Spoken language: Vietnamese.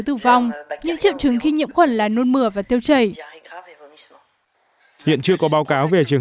tử vong những triệu chứng khi nhiễm khuẩn là nôn mừa và tiêu chảy hiện chưa có báo cáo về trường